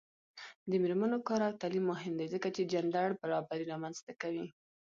د میرمنو کار او تعلیم مهم دی ځکه چې جنډر برابري رامنځته کوي.